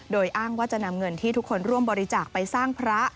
โดยอ้างว่าจะนำเงินที่ทุกคนร่วมบริจาคไปสร้างพระ